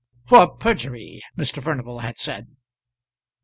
"For perjury!" Mr. Furnival had said.